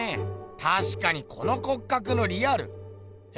たしかにこの骨格のリアルえ？